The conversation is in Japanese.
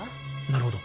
なるほど。